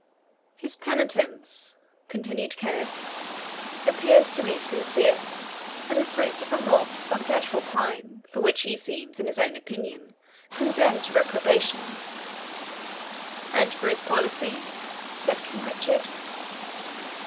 "His penitence," continued Kenneth, "appears to me sincere, and the fruits of remorse for some dreadful crime, for which he seems, in his own opinion, condemned to reprobation." "And for his policy?" said King Richard.